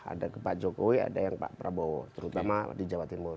ada ke pak jokowi ada yang pak prabowo terutama di jawa timur